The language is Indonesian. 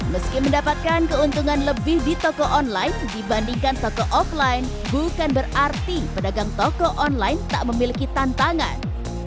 meski mendapatkan keuntungan lebih di toko online dibandingkan toko offline bukan berarti pedagang toko online tak memiliki tantangan